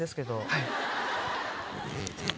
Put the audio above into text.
はい。